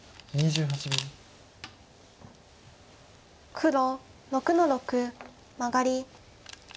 黒６の六マガリ。